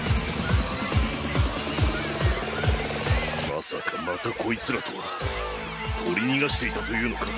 まさかまたこいつらとは。取り逃がしていたというのか。